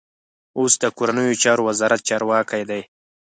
اوس د کورنیو چارو وزارت چارواکی دی.